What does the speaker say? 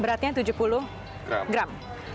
beratnya tujuh puluh gram